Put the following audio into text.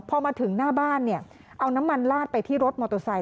พอมาถึงหน้าบ้านเอาน้ำมันลาดไปที่รถมอโตไซด์